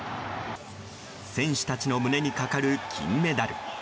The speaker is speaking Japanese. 選手たちの胸にかかる金メダル。